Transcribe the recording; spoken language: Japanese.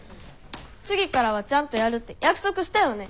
次からはちゃんとやるって約束したよね。